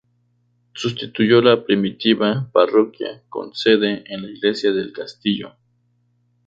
Sustituyó la primitiva parroquia, con sede en la iglesia del castillo.